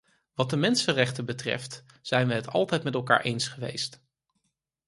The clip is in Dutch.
Wat de mensenrechten betreft, zijn we het altijd met elkaar eens geweest.